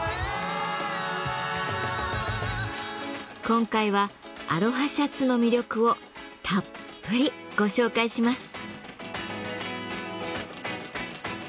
今回はアロハシャツの魅力をたっぷりご紹介します。